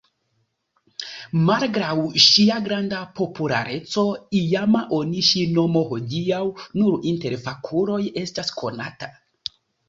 Malgraŭ ŝia granda populareco iama oni ŝi nomo hodiaŭ nur inter fakuloj estas konata.